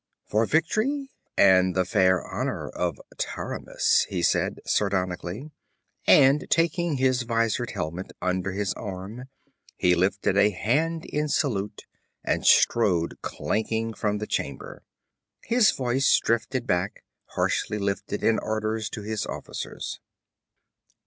'For victory and the fair honor of Taramis!' he said sardonically, and, taking his vizored helmet under his arm, he lifted a hand in salute, and strode clanking from the chamber. His voice drifted back, harshly lifted in orders to his officers.